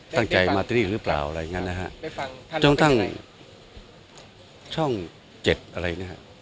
ตั้งใจมาที่นี่หรือเปล่าอะไรอย่างเงี้ยฮะจงทั้งช่องเจ็ดอะไรอย่างเงี้ยฮะ